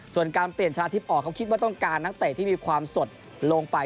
ส่วนการเปลี่ยนชนะทิพย์ออกเขาคิดว่าต้องการนักเตะที่มีความสดลงไป